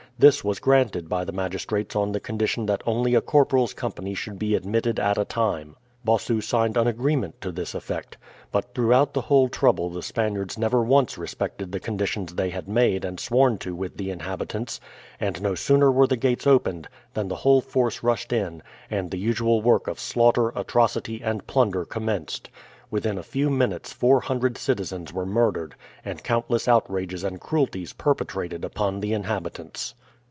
This was granted by the magistrates on condition that only a corporal's company should be admitted at a time. Bossu signed an agreement to this effect. But throughout the whole trouble the Spaniards never once respected the conditions they had made and sworn to with the inhabitants, and no sooner were the gates opened than the whole force rushed in, and the usual work of slaughter, atrocity, and plunder commenced. Within a few minutes four hundred citizens were murdered, and countless outrages and cruelties perpetrated upon the inhabitants.